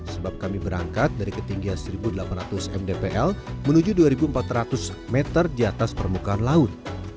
sebab kami berangkat dari ketinggian satu delapan ratus mdpl menuju dua empat ratus meter di atas permukaan laut